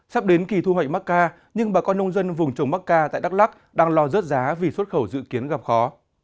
sắp đến kỳ thu hoạch macca nhưng bà con nông dân vùng trồng macca tại đắk lắk đang lo rớt giá vì xuất khẩu dự kiến gặp khó